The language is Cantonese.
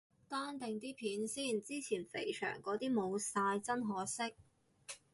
單定啲片先，之前肥祥嗰啲冇晒，真可惜。